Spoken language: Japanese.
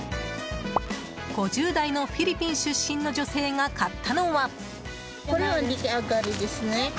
５０代のフィリピン出身の女性が買ったのは。